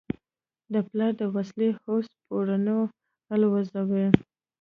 د پلار د وسلې هوس پوړونی والوزاوه.